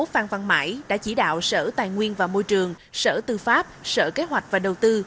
theo đó chủ tịch ủy ban nhân dân tp hcm đã chỉ đạo sở tài nguyên và môi trường sở tư pháp sở kế hoạch và đầu tư